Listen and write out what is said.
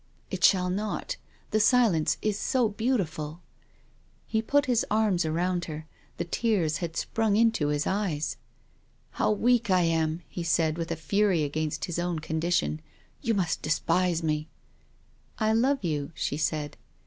It shall not. The silence is so beautiful." He put his arms around her. Tiie tears had sprung into his eyes. " How weak 1 am," he said, with a fury against his own condition, "you must despise me." " I love you," she said.